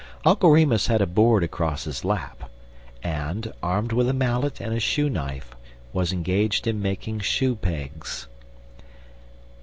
Uncle Remus had a board across his lap, and, armed with a mallet and a shoe knife, was engaged in making shoe pegs.